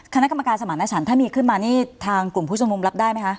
คณะกรรมการสมารณชันถ้ามีขึ้นมานี่ทางกลุ่มผู้ชมนุมรับได้ไหมคะ